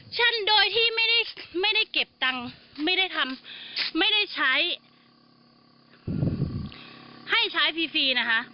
เช่นโดยที่ไม่ได้ไม่ได้เก็บตังค์ไม่ได้ทำไม่ได้ใช้ให้ใช้ฟรีฟรีนะคะ